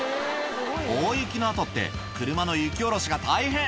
大雪のあとって、車の雪下ろしが大変。